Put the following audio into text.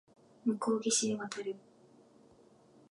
向こう岸へ渡る